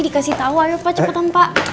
dikasih tahu ayo pak cepetan pak